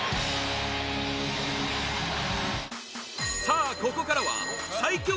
さあ、ここからは最強！